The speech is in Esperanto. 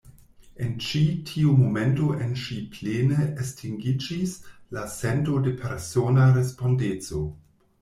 En ĉi tiu momento en ŝi plene estingiĝis la sento de persona respondeco.